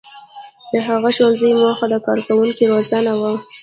• د هغه ښوونځي موخه د کارکوونکو روزنه وه.